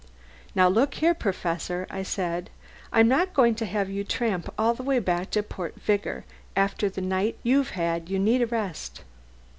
"Now look here, Professor," I said, "I'm not going to have you tramp all the way back to Port Vigor. After the night you've had you need a rest.